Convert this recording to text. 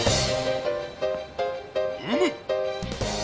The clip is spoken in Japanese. うむ！